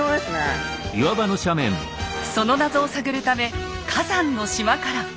その謎を探るため火山の島から。